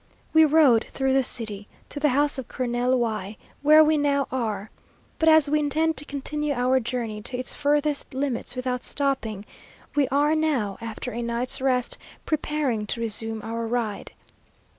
We rode through the city, to the house of Colonel Y , where we now are; but as we intend to continue our journey to its furthest limits without stopping, we are now, after a night's rest, preparing to resume our ride.